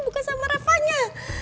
bukan sama reva nya